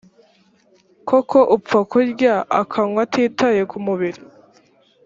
kuko upfa kurya akanywa atitaye ku mubiri